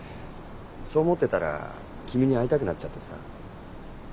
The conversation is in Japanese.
そう思ってたら君に会いたくなっちゃってさ。